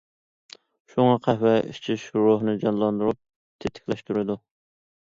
شۇڭا قەھۋە ئىچىش روھنى جانلاندۇرۇپ، تېتىكلەشتۈرىدۇ.